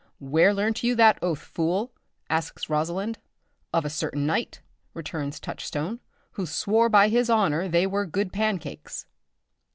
"Where learnt you that oath, fool?" asks Rosalind. "Of a certain knight," returns Touchstone, "who swore by his honour they were good pancakes."